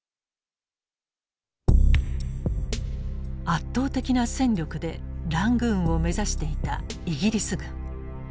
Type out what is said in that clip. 圧倒的な戦力でラングーンを目指していたイギリス軍。